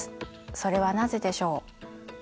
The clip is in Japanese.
それはなぜでしょう？